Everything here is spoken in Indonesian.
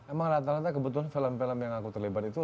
emang rata rata kebetulan film film yang aku terlibat itu